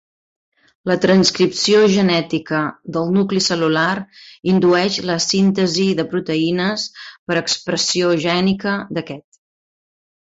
La transcripció genètica del nucli cel·lular indueix la síntesi de proteïnes per expressió gènica d'aquest.